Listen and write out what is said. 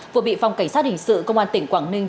vừa bị phòng cảnh sát hình sự công an tỉnh quảng ninh